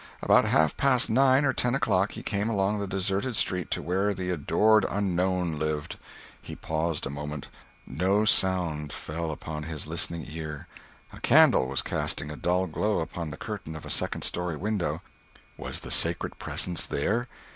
About half past nine or ten o'clock he came along the deserted street to where the Adored Unknown lived; he paused a moment; no sound fell upon his listening ear; a candle was casting a dull glow upon the curtain of a second story window. Was the sacred presence there?